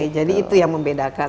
jadi itu yang membedakan